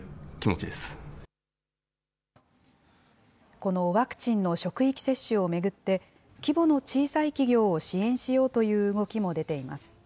このワクチンの職域接種を巡って、規模の小さい企業を支援しようという動きも出ています。